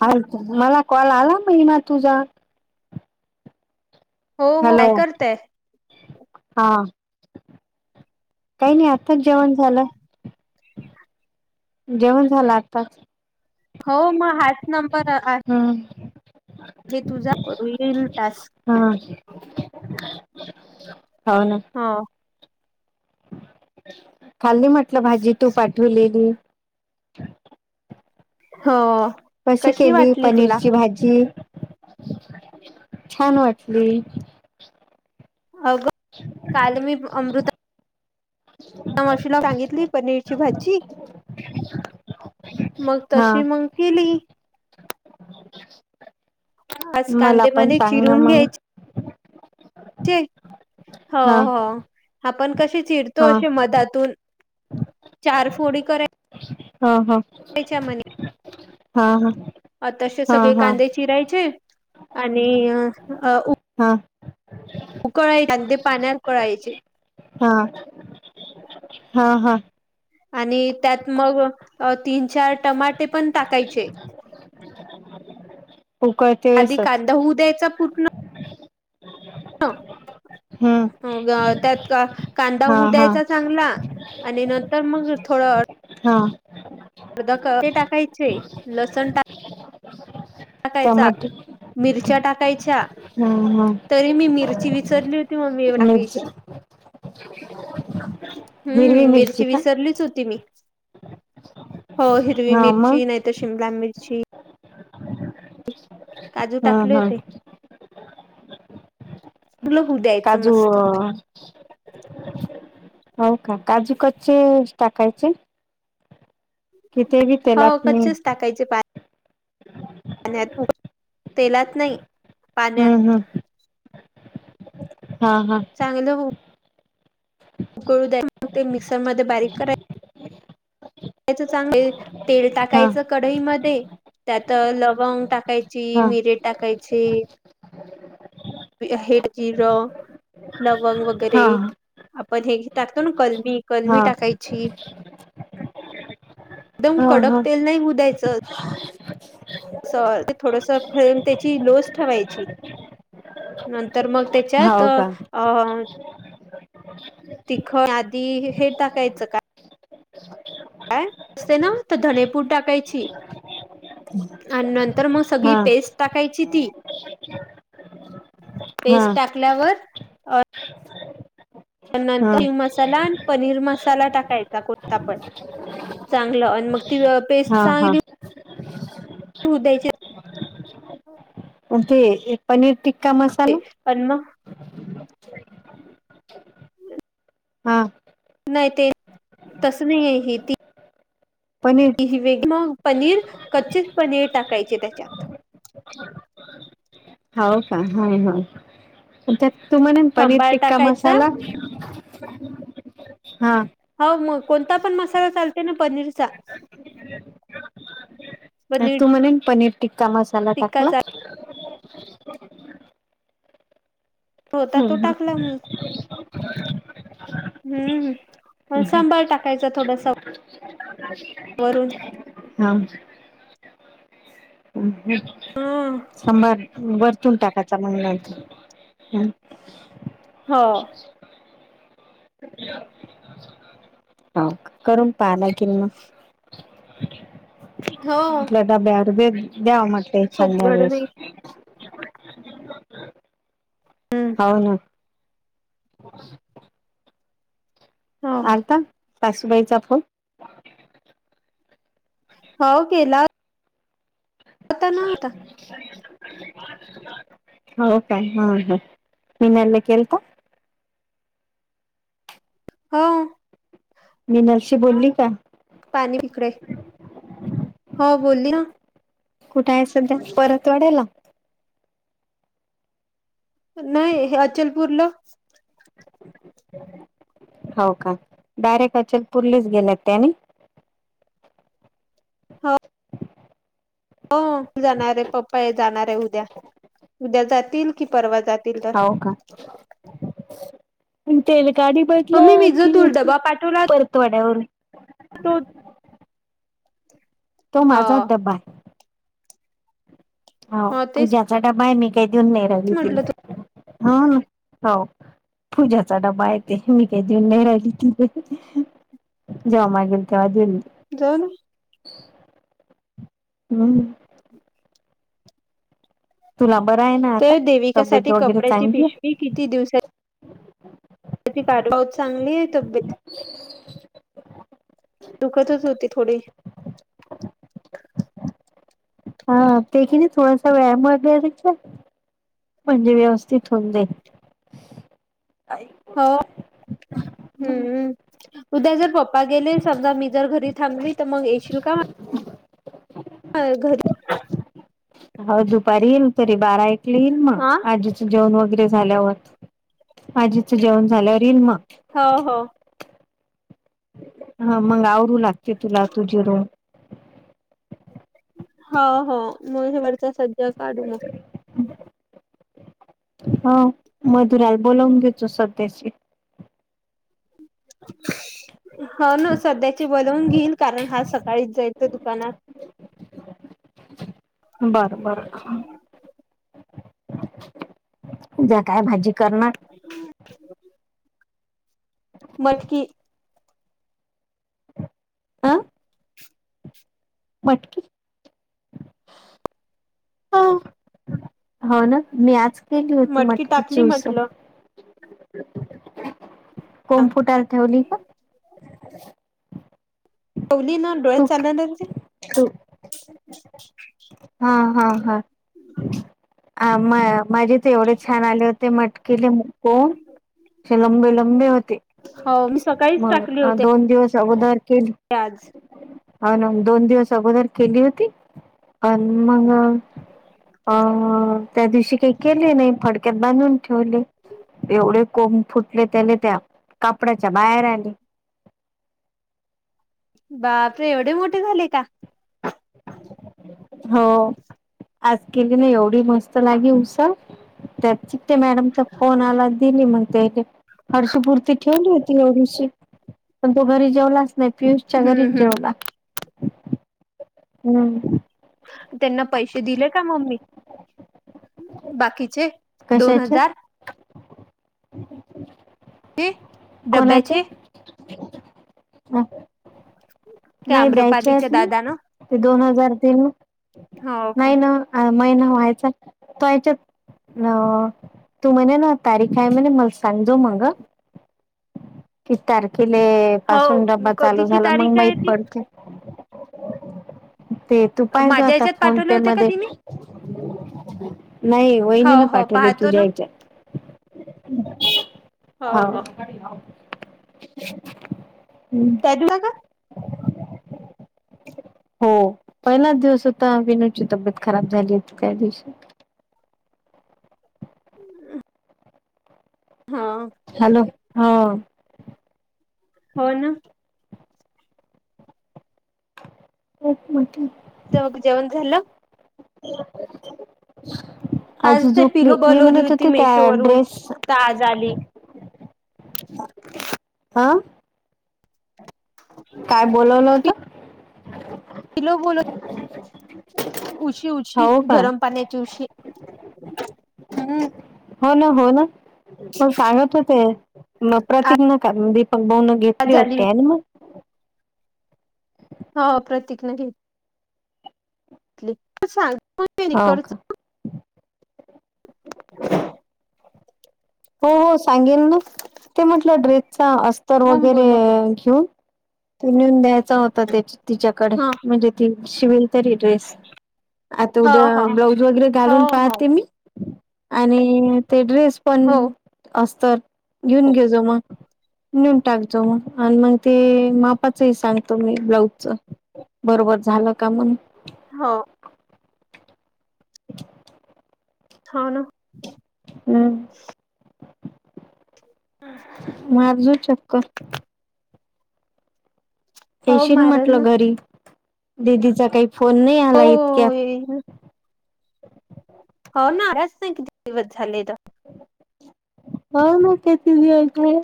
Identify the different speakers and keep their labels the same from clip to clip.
Speaker 1: अ मला कॉल आला महिना तुझा
Speaker 2: हो हो
Speaker 1: हॅलो
Speaker 2: काय करतय
Speaker 1: हा काही नाही आत्ताच जेवण झालं जेवण झालं आताच
Speaker 2: हो मग हाच नंबर आहे
Speaker 1: हम
Speaker 2: हे तुझा करू येईल टास्क
Speaker 1: हां हो ना
Speaker 2: हा
Speaker 1: खाल्नी म्हटलं भाजी तू पाठवलेली
Speaker 2: हो
Speaker 1: कशी केली
Speaker 2: वाटली तुला
Speaker 1: पनीरची भाजी छान वाटली
Speaker 2: अगं काल म अमृता आशुला सांगितली पनीरची भाजी मग
Speaker 1: हा
Speaker 2: तशी मग केली आज
Speaker 1: मला पण
Speaker 2: कांदेमध्ये
Speaker 1: सांग ना
Speaker 2: चिरून
Speaker 1: मग
Speaker 2: घ्यायचे हो
Speaker 1: हा
Speaker 2: हो आपण कसे चिरतो
Speaker 1: हा
Speaker 2: अशी मधातून चार फोडी कर
Speaker 1: हा हा हा हा
Speaker 2: अ तसे सगळे
Speaker 1: ह
Speaker 2: कांदे चिरायचे आणि
Speaker 1: हां
Speaker 2: उकळायचे अग ते पाण्यात उकळायचे
Speaker 1: हा हा हा
Speaker 2: आणि त्यात मग तीन चार टमाटे पण टाकायचे
Speaker 1: उकळत
Speaker 2: आधी कांदा होऊ द्यायचा पूर्ण
Speaker 1: हम्म
Speaker 2: त्यात कांदा
Speaker 1: हा
Speaker 2: होऊ
Speaker 1: हा
Speaker 2: द्यायचा चांगला आणि नंतर मग थोडं
Speaker 1: हा
Speaker 2: अर्ध क ते टाकायचे लसण टा टाकायचा
Speaker 1: टमाट
Speaker 2: मिरच्या टाकायच्या
Speaker 1: हा हा
Speaker 2: तरी मी मिरची विसरली होती मगी
Speaker 1: मिरची
Speaker 2: टाकायची
Speaker 1: हिरवी
Speaker 2: हम्म मिरची
Speaker 1: का
Speaker 2: विसरलीच होती मी हो हिरवी
Speaker 1: हा मग
Speaker 2: मिरची नाहीतर शिमला मिरची काजू
Speaker 1: हा
Speaker 2: टाकले
Speaker 1: हा
Speaker 2: होते ल होऊ द्यायचं मस्त
Speaker 1: हम हो का काजूकचे टाकायचे किती बी तेला
Speaker 2: हो
Speaker 1: त मी
Speaker 2: कच्चेच टाकायचे पाण्यात तेलाच नाही पाण्यात
Speaker 1: हम्म हम्म हा हा
Speaker 2: चांगलं उकळून मग ते मिक्सर मध्ये बारीक करा चांगले तेल
Speaker 1: हा
Speaker 2: टाकायचं कढई मध्ये त्यात लवंग टाकायच ची
Speaker 1: हा
Speaker 2: मिरे टाकायची हे जिरं लवंग वगैरे
Speaker 1: हा
Speaker 2: आपण हे टाकतो ना कलबी कलमी
Speaker 1: हा
Speaker 2: टाकायची एकदम कडक तेल नाही मुधयचं
Speaker 1: ह
Speaker 2: स थोडस फ्लेम त्याची लोच ठेवायची नंतर मग
Speaker 1: हा
Speaker 2: त्याच्यात
Speaker 1: हो का
Speaker 2: अ तिखट आधी हे टाकायचं का काय असते ना तर धणेपूड टाकायची आणि नंत तर मग सगळी
Speaker 1: हा
Speaker 2: पेस्ट टाकायची ती
Speaker 1: हा
Speaker 2: पेस्ट टाकल्यावर त्या
Speaker 1: हा
Speaker 2: नंतर हि मसाला पनीर मसाला टाकायचा कोणता पण चांगलं आणि मग ती व
Speaker 1: हा हा
Speaker 2: होय
Speaker 1: म्हण ते एक पनीर टिक्का
Speaker 2: ते
Speaker 1: मसाला
Speaker 2: पन म
Speaker 1: हा
Speaker 2: नाही ते तस नाही आहे ह ती
Speaker 1: पनीर
Speaker 2: व मग पनीर कच्चीच पनीर टाकायचे त्याच्यात
Speaker 1: हो का हो हो त्या तू म्हणे पनीर
Speaker 2: सांबार
Speaker 1: टिक्का
Speaker 2: टाकायचा
Speaker 1: मसाला हा
Speaker 2: हो मग कोणता पण मसाला चालते ना पनीरचा पनीर
Speaker 1: तू म्हणे पनीर टिक्का मसाला टाकला
Speaker 2: टिक्काचा होता तो
Speaker 1: हम्म
Speaker 2: टाकला म हम्म सांभळ टाक खायच थोडं
Speaker 1: अ
Speaker 2: वरून
Speaker 1: हां
Speaker 2: ह
Speaker 1: सभार वरतून टाकायचा मग नंतर
Speaker 2: हो
Speaker 1: करून पाहाला किल मग
Speaker 2: [inaudible] हो
Speaker 1: ता ब्यार बे द्यावा मट
Speaker 2: सोप
Speaker 1: छली
Speaker 2: घडून
Speaker 1: वेस हो ना
Speaker 2: हो
Speaker 1: आर्ता सासूबाईचा फोन
Speaker 2: हो केला आता नव्हता
Speaker 1: हो काय हा ह मनल केलत
Speaker 2: हा
Speaker 1: मी नरसी बोलली का
Speaker 2: पाणी पिकडे हो बोलली ना
Speaker 1: कुठे आहे सध्या परत वाढायला
Speaker 2: नाही अचलपूरला
Speaker 1: हो का डायरेक्ट अचलपूर्लीच गेले त्याने
Speaker 2: हो हो जाणार आहे पप्पा आहे जाणार आहे उद्या उद्या जातील की परवा जातील तर
Speaker 1: हो का तेल काडी बदला
Speaker 2: मम्मी मी जो
Speaker 1: की
Speaker 2: तुला डबा पाठवला होता
Speaker 1: परतवाड्यावरून
Speaker 2: तो
Speaker 1: तो
Speaker 2: हा
Speaker 1: माझाच ड्बा आहे हो
Speaker 2: हा तेच
Speaker 1: पूज्याचा डबा आहे मी काही देऊन नाही राहिली त
Speaker 2: म्हटलं
Speaker 1: ह हो पूजाचा डबा येते मी काही देऊन नाही राहिली तिथे जमागेल तेव्हा दिल्ली
Speaker 2: जाोन
Speaker 1: हम तुला बरं आहे ना आता तब्येत वगैरे चांगली आहे
Speaker 2: मी किती दिवसात कारवा चांगली आहे तब्येत दुखतच होती थोडी
Speaker 1: हा ते की नाही थोडासा वेयाम वाले म्हणजे व्यवस्थित हो दे
Speaker 2: हो हम्म उद्या जर पप् गे समजाीर घरी थांबली तर मग येशील का
Speaker 1: हम्
Speaker 2: ह घरी
Speaker 1: हो दुपारी येईल तरी बारा ऐकले येईल मग
Speaker 2: हा
Speaker 1: आजीचं जेवण वगैरे झाल्या होत आजीचं जेवण झाल्यावर रीलमा
Speaker 2: हो हो
Speaker 1: हा मंग आ रु लागते तुला तुझी रू
Speaker 2: हा हो मग हे वरचा सज्जा काढू मग
Speaker 1: हा मधुराला बोलावून घेतचो सध्याशी.
Speaker 2: हो ना सध्याचे बनवून घेईल कारण हा सकाळीच जाईल दुकानात.
Speaker 1: बरं बरं. जया काय भाजी करणार.
Speaker 2: ह्. मटकी.
Speaker 1: अ. मटकी. हो. होना मी आज केली होती
Speaker 2: मटकी
Speaker 1: मटकीची
Speaker 2: टाकली
Speaker 1: उसळ.
Speaker 2: म्हटलं
Speaker 1: कोम फुटायला ठेवली का.
Speaker 2: पवली ना डोळ्यात चालल्याना ते.
Speaker 1: त हा हा हा.
Speaker 2: [unintelligible]
Speaker 1: अ म माझे ते एवढे छान आले होते मटकीेले मोड. हो लंबे लंबे होते,
Speaker 2: हो मी सकाळीच
Speaker 1: मग दोन दिवस. चौदार के
Speaker 2: प्याज
Speaker 1: हो ना दोन दिवस अगोदर केली होती अ मग अ त्या दिवशी काही केले नाही फडक्यात बांधून ठेवले. एवढे कोंब फुटले त्याला त्या कापडाच्या बाहेर आली
Speaker 2: बापरे एवढे मोठे झाले का. [inaudible]
Speaker 1: हो. आज केली ना एवढी मस्त लागली उसळ. ते चिट्टी मॅडमचा फोन आलाय दिली मग त्यांच्याकडे. हरषपूर्ती ठेवली होती एवढीशी, पण तो घरी जेवलास. नाही पियुष च्या
Speaker 2: हम्म
Speaker 1: घरीच
Speaker 2: हम्म
Speaker 1: जेवला. हम्म.
Speaker 2: त्यांना पैसे दिले का मम्मी बाकीचे. दोन
Speaker 1: कशाचे
Speaker 2: हजार. ते
Speaker 1: कोणाचे
Speaker 2: डब्याचे
Speaker 1: अ.
Speaker 2: त्या
Speaker 1: नाही द्यायचे
Speaker 2: आम्रपालीच्या
Speaker 1: आहेत ना?
Speaker 2: दादानं
Speaker 1: ते दोन हजार तीन
Speaker 2: हो का
Speaker 1: नाही ना? अ महिना व्हायचा तोच्यात. अ तू म्हणे ना तारीख आहे म्हणे मला सांजो मग ह. किती तारखेले पासून डब्बा
Speaker 2: हो
Speaker 1: चालू
Speaker 2: कधीची
Speaker 1: झाला मग
Speaker 2: तारीख आहे
Speaker 1: माहीत
Speaker 2: ती
Speaker 1: पडते. ते तू पाहिजो
Speaker 2: माझ्या
Speaker 1: आता
Speaker 2: ह्याच्यात
Speaker 1: फोन
Speaker 2: पाठवले
Speaker 1: पे
Speaker 2: होते का
Speaker 1: मध्ये.
Speaker 2: तिने
Speaker 1: नाही
Speaker 2: हो
Speaker 1: वहिनींन
Speaker 2: हो
Speaker 1: पाठवले
Speaker 2: पाहतो
Speaker 1: तुझ्या
Speaker 2: ना
Speaker 1: ह्याच्यात.
Speaker 2: हो हो
Speaker 1: ह.
Speaker 2: [unintelligible]
Speaker 1: हो. पहिलाच दिवस होता विनू ची तब्येत खराब झाली होती त्यादिवशी.
Speaker 2: हा.
Speaker 1: हॅलो ह.
Speaker 2: हो ना.
Speaker 1: एक मैत्री.
Speaker 2: तुमक जेवन झालं.
Speaker 1: [inaudible]
Speaker 2: आज
Speaker 1: आजी
Speaker 2: ते पिलो
Speaker 1: झोपली, मी
Speaker 2: बोलवली
Speaker 1: म्हणत
Speaker 2: होती
Speaker 1: होते त्या
Speaker 2: मेशो वरून
Speaker 1: ड्रेस.
Speaker 2: तर आज आली
Speaker 1: हा. काय बोलोवलं होत.
Speaker 2: पिलो बोलो, उशी उशी
Speaker 1: हो का
Speaker 2: गरम पाण्याची उशी. हम्म.
Speaker 1: हो ना हो ना मण सांगत होते मग प्रतीक न का दीपक भाऊ न घेतली
Speaker 2: आज आली
Speaker 1: होते आणि मग
Speaker 2: ह प्रतीक न घेत तिला सांगून ते
Speaker 1: हो
Speaker 2: करणे नाही
Speaker 1: का
Speaker 2: आवाज
Speaker 1: हो हो सांगेन ना ते म्हटलं ड्रेसचा अस्तर
Speaker 2: मग
Speaker 1: वगैरे
Speaker 2: बोल नको
Speaker 1: घेऊन तो नेऊन द्यायचा होता त्या तिच्याकडे
Speaker 2: हा
Speaker 1: म्हणजे ती शिवल तरी ड्रेस आता
Speaker 2: हो
Speaker 1: उद्या
Speaker 2: हो
Speaker 1: ब्लाऊज वगैरे
Speaker 2: हो
Speaker 1: घालून
Speaker 2: हो
Speaker 1: पाहतेे मी आणि ते ड्रेस पण
Speaker 2: हो
Speaker 1: असत घेऊन घेजो मग नेऊन टाकतो मग आणि मग ते मापाचंही सांगतो मी ब्लाऊजच बरोबर झालं का मग
Speaker 2: हो
Speaker 1: कसला तरी आवाज
Speaker 2: हा ना
Speaker 1: हम्. मारजू चक्कर.
Speaker 2: हो
Speaker 1: येशील
Speaker 2: मारल ना
Speaker 1: म्हटलं घरी, दिदीचा काही फोन नाही आला इतक्यात.
Speaker 2: तेना. हो ना किती दिवस झाले आलाच नाही?
Speaker 1: हा ना किती लिहाचेयं.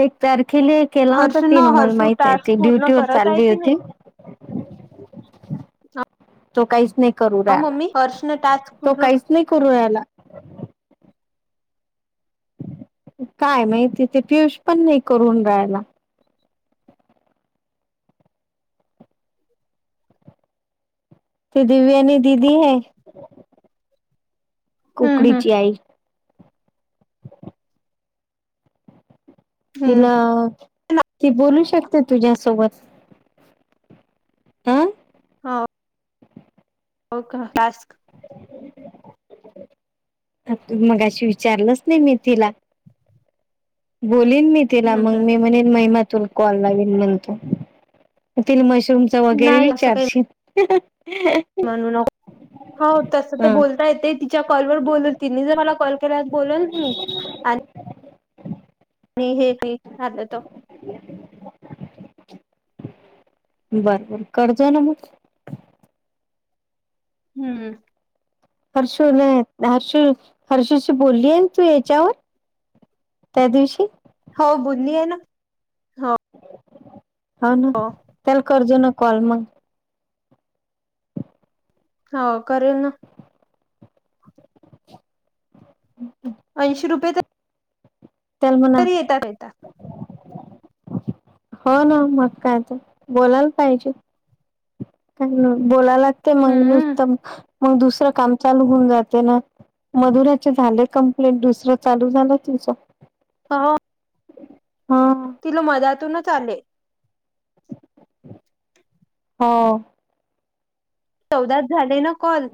Speaker 1: एक तारखेला केला होता
Speaker 2: हर्ष न
Speaker 1: तीन मला
Speaker 2: हर्षू
Speaker 1: माहित आहे
Speaker 2: टास्क
Speaker 1: ती
Speaker 2: पूर्ण
Speaker 1: ड्युटी वर
Speaker 2: करत आहे
Speaker 1: चालली
Speaker 2: की नाही
Speaker 1: होती तो काहीच नाही करू
Speaker 2: हो
Speaker 1: रला
Speaker 2: मम्मी हर्षनं टास्क
Speaker 1: तो
Speaker 2: पूर्ण
Speaker 1: काहीच नाही करू र्याला काय माहि तिथे पयुश पण नाही करून राहायला ते दिव्या आणि दिदी ह
Speaker 2: हम्म हम्म
Speaker 1: कुकडीची आई
Speaker 2: हम्म
Speaker 1: तिला ती बोलू शकते तुझ्यासोबत हं
Speaker 2: हा हो कास्क
Speaker 1: मग अशी विचारलंच नाही मी तिला बोलन मी तिला
Speaker 2: हम्म
Speaker 1: मग
Speaker 2: हम्म
Speaker 1: मी म्हणे महिमातून कॉल लाल म्हणतो त मशरूमचा वगैरे विचारशील हसलेला आवाज
Speaker 2: म्हणून हो तस तर बोलता येते त च्या कॉल वर बोलत ति जर मला कॉल केला बोल ना मी मी हेीमि शकेतो
Speaker 1: बरं बर करजो ना मग
Speaker 2: हम्म
Speaker 1: हर्षला हर्ष हर्षशी बोलली आहे तू याच्यावर त्या दिवशी
Speaker 2: हो बुंदी आहे ना
Speaker 1: हा ना
Speaker 2: हो
Speaker 1: त्याला करजो ना कॉल मग
Speaker 2: हा कर न
Speaker 1: हम
Speaker 2: ऐंशी रुपयेतर
Speaker 1: तेलमुणा
Speaker 2: येतात
Speaker 1: हो ना मग कायच बोलायला पाहिजे बोलाय लागते मग
Speaker 2: हम्म
Speaker 1: नुसतं मग दुसरं काम चालू होऊन जाते ना मधुराचे झाले कंप्लेंट दुसरं चालू झालं तुमचं
Speaker 2: हा
Speaker 1: हा
Speaker 2: तिला मदतूनच आले
Speaker 1: हो
Speaker 2: चौदाच झाले ना कॉल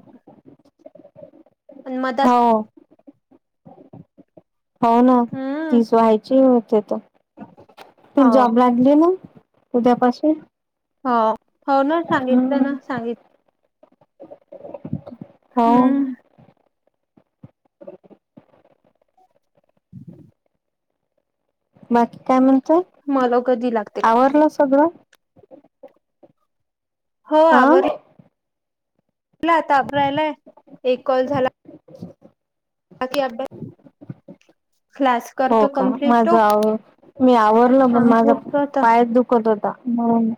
Speaker 2: पण
Speaker 1: हो
Speaker 2: मधात
Speaker 1: हो ना
Speaker 2: हम्म
Speaker 1: तीच व्हायची होते तर प
Speaker 2: हो
Speaker 1: जॉबला ले ना उद्या पाशी
Speaker 2: हो हो ना सांगितलं ना सांगित
Speaker 1: होा
Speaker 2: हम्म
Speaker 1: बाकी काय म्हणतोय
Speaker 2: मला कधी लागते का नाही
Speaker 1: कग
Speaker 2: हो
Speaker 1: हा
Speaker 2: आवर. तबरायलाय एक कॉल झाला. बाकी अड.
Speaker 1: हो का माझ आ मी आवरल पण
Speaker 2: आणि
Speaker 1: माझा
Speaker 2: झोपतो आता.
Speaker 1: पाया दुख. त होताणून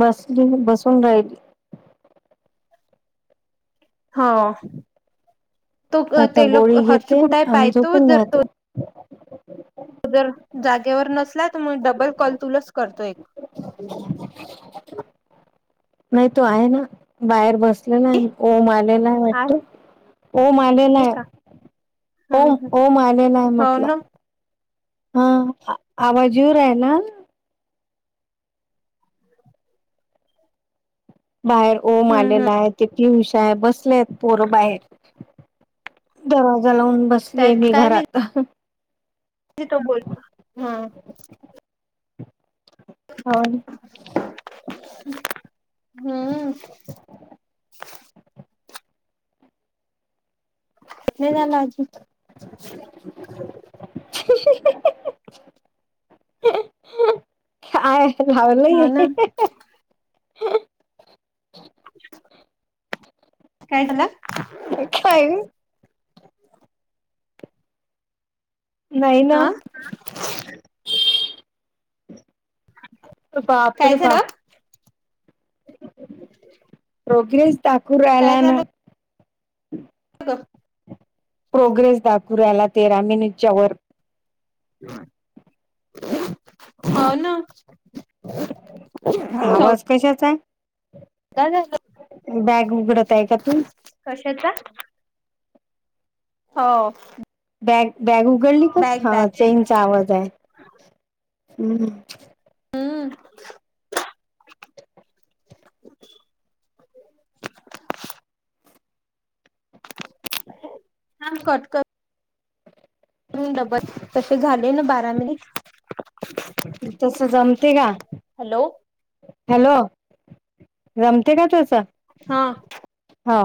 Speaker 1: बसली बसून राहिली.
Speaker 2: हो तो
Speaker 1: आता
Speaker 2: तेला
Speaker 1: गोळी
Speaker 2: हर्ष
Speaker 1: घेते
Speaker 2: कुठे
Speaker 1: आणि
Speaker 2: पाहतो
Speaker 1: झोपून
Speaker 2: जर तो
Speaker 1: राहते.
Speaker 2: त जर जागेवर नसला तर मग डबल कॉल तुलाच करतो एक
Speaker 1: कांहीं तरी आवाज नाही तो आहे ना बाहेर बसलेला आहे ओम आलेला आहे वाटतो. होओम आलेलाय
Speaker 2: का हम्म
Speaker 1: ओम
Speaker 2: हम्म
Speaker 1: ओम आलेलाय
Speaker 2: हो ना
Speaker 1: म्हटलं.
Speaker 2: हम्म
Speaker 1: हा आवाजीवर आहे ना. बाहेर ओम
Speaker 2: हम्म
Speaker 1: आलेला आहे तिती हुशा आहे बसले आहेत पोरं बाहेर दरवाजा लावून बसलीय मी घरात
Speaker 2: त तो बोलत हम्.
Speaker 1: होल.
Speaker 2: हम्म. नाही ना लाजू
Speaker 1: आहेय.
Speaker 2: हो
Speaker 1: लावलंय.
Speaker 2: ना [unintelligible] कायटलं
Speaker 1: खाय. नाही ना.
Speaker 2: हा
Speaker 1: प्र पाप
Speaker 2: काय झालं
Speaker 1: पाप
Speaker 2: [unintelligible]
Speaker 1: प्रोग्रेस दाखवून
Speaker 2: काय
Speaker 1: राहिला ना.
Speaker 2: झालं ग
Speaker 1: प्रोग्रेस दाखुऱ्याला तेरा मिनिटच्या वर
Speaker 2: होव ना. [unintelligible]
Speaker 1: आवाज कशाचा
Speaker 2: झालं
Speaker 1: बॅग उघडत आहे का तू
Speaker 2: कशाचा हो.
Speaker 1: बॅग बॅग उघडली का
Speaker 2: बॅग बॅग
Speaker 1: हा चेनचा आवाज आहे हम्.
Speaker 2: हम्म. ह कट कट. डबल तसे झाले ना बारामीेली
Speaker 1: तस जमते का?
Speaker 2: हॅलो
Speaker 1: हॅलो रमतय का तुचं?
Speaker 2: हा.
Speaker 1: हा.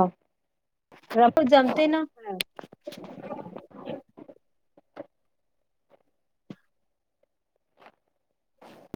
Speaker 2: र [unintelligible] फड जमते ना.